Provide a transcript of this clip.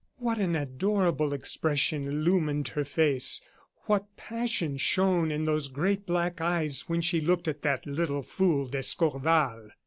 What an adorable expression illumined her face, what passion shone in those great black eyes when she looked at that little fool d'Escorval!